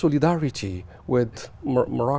với quân đội màu bắc